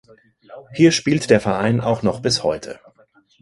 Hier spielt der Verein auch noch bis heute.